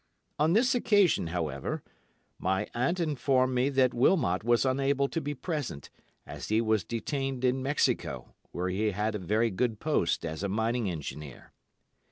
On this occasion, however, my aunt informed me that Wilmot was unable to be present, as he was detained in Mexico, where he had a very good post as a mining engineer.